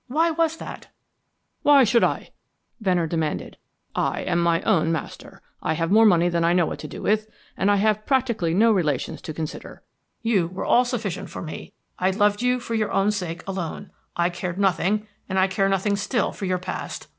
Why was that?" "Why should I?" Venner demanded. "I am my own master, I have more money than I know what to do with and I have practically no relations to consider. You were all sufficient for me; I loved you for your own sake alone; I cared nothing, and I care nothing still for your past.